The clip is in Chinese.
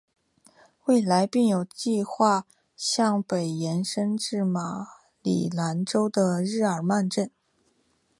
未来并有计画向北延伸至马里兰州的日耳曼镇。